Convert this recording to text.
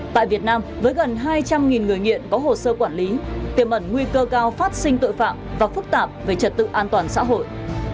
tại việt nam với gần hai trăm linh người nghiện có hồ sơ quản lý tiềm ẩn nguy cơ cao phát sinh tội phạm và phức tạp về trật tự an toàn xã hội